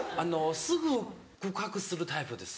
すぐ告白するタイプです。